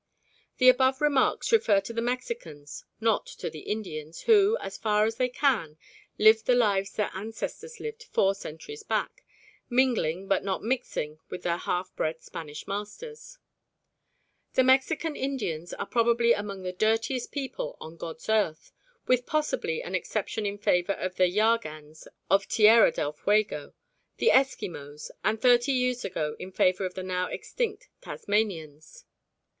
The above remarks refer to the Mexicans, not to the Indians, who, as far as they can, live the lives their ancestors lived four centuries back, mingling but not mixing with their half bred Spanish masters. The Mexican Indians are probably among the dirtiest people on God's earth, with possibly an exception in favour of the Yahgans of Tierra del Fuego, the Eskimos, and thirty years ago in favour of the now extinct Tasmanians.